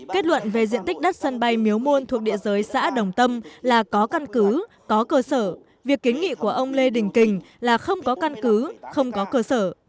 kết luận về diện tích đất sân bay miếu môn thuộc địa giới xã đồng tâm là có căn cứ có cơ sở việc kiến nghị của ông lê đình kình là không có căn cứ không có cơ sở